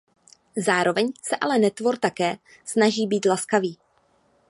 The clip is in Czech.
Zároveň se ale netvor také „snaží být laskavý“.